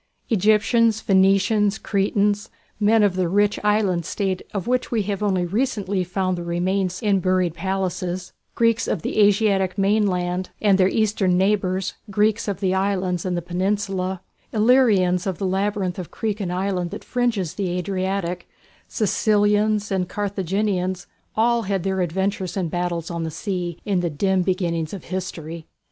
Egyptians, Phoenicians, Cretans, men of the rich island state of which we have only recently found the remains in buried palaces, Greeks of the Asiatic mainland, and their Eastern neighbours, Greeks of the islands and the Peninsula, Illyrians of the labyrinth of creek and island that fringes the Adriatic, Sicilians and Carthaginians, all had their adventures and battles on the sea, in the dim beginnings of history.